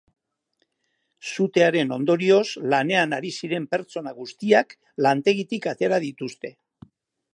Sutearen ondorioz, lanean ari ziren pertsona guztiak lantegitik atera dituzte.